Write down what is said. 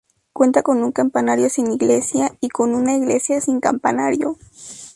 Cuenta con un campanario sin iglesia y con una iglesia sin campanario.